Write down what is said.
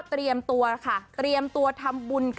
เตรียมตัวทำบุญ